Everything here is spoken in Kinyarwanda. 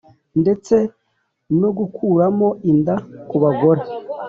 ndetse no gukuramo inda ku bagore